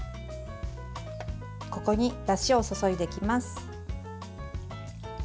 ここに、だしを注いでいきます。